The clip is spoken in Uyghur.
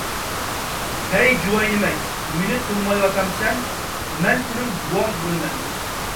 ھەي جۇۋايىنىمەك، مېنى تونۇمايۋاتامسەن، مەن سېنىڭ بوۋاڭ بولىمەن.